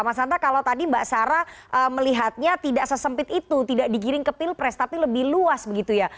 mas santa kalau tadi mbak sarah melihatnya tidak sesempit itu tidak digiring ke pilpres tapi lebih luas begitu ya